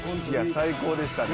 最高でしたね。